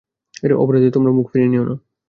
অপরাধী হয়ে তোমরা মুখ ফিরিয়ে নিও না।